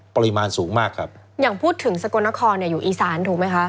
ปริมาณสูงมากครับอย่างพูดถึงสกลนครเนี่ยอยู่อีสานถูกไหมคะ